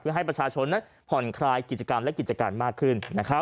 ให้ประชาชนนั้นผ่อนคลายกิจกรรมและกิจการมากขึ้น